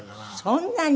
そんなに？